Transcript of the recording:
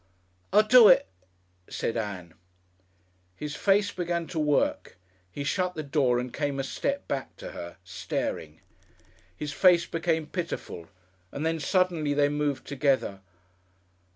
"I'll do it," said Ann. His face began to work, he shut the door and came a step back to her, staring; his face became pitiful and then suddenly they moved together.